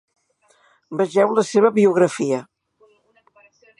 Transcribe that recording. Vegeu la seva biografia.